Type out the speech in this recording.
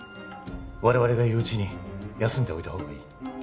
我々がいるうちに休んでおいた方がいい